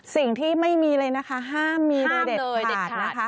สิ่งที่ไม่มีเลยนะคะห้ามมีห้ามเลยเด็ดนะคะ